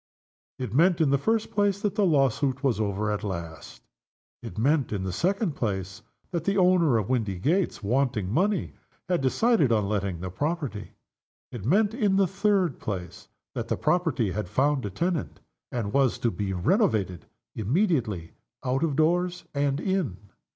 It meant, in the first place, that the lawsuit was over at last. It meant, in the second place that the owner of Windygates, wanting money, had decided on letting the property. It meant, in the third place, that the property had found a tenant, and was to be renovated immediately out of doors and in.